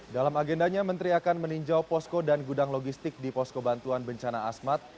dalam agendanya menteri akan meninjau posko dan gudang logistik di posko bantuan bencana asmat